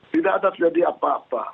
tidak ada jadi apa apa